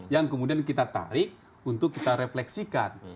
yang kemudian kita tarik untuk kita refleksikan